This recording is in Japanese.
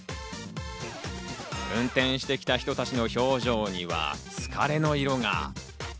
運転してきた人たちの表情には疲れの色が。